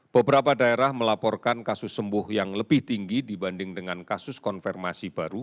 beberapa daerah melaporkan kasus sembuh yang lebih tinggi dibanding dengan kasus konfirmasi baru